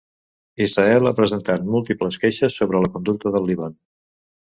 Israel ha presentat múltiples queixes sobre la conducta del Líban.